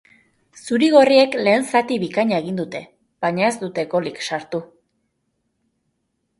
Zuri-gorriek lehen zati bikaina egin dute, baina ez dute golik sartu.